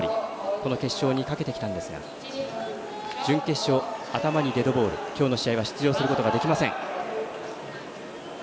この決勝にかけてきたんですが準決勝、頭にデッドボール今日の試合は出場することができません。